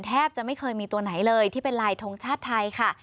แทบจะไม่เคยมีตัวไหนเลยที่เป็นลายทงชาติไทยค่ะ